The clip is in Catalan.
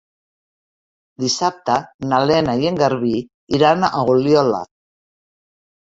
Dissabte na Lena i en Garbí iran a Oliola.